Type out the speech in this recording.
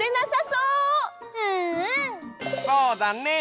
そうだね！